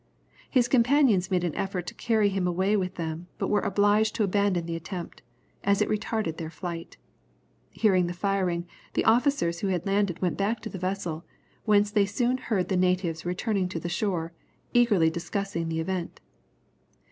His companions made an effort to carry him away with them, but were obliged to abandon the attempt, as it retarded their flight. Hearing the firing, the officers who had landed went back to the vessel, whence they soon heard the natives returning to the shore, eagerly discussing the event.